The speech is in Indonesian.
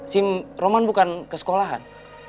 sim roman bukan ke sekolahan